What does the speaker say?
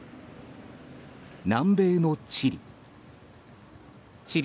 南米のチリ。